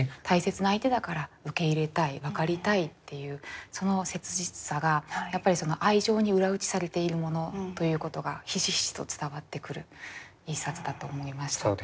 大切な相手だから受け入れたい分かりたいっていうその切実さが愛情に裏打ちされているものということがひしひしと伝わってくる一冊だと思いました。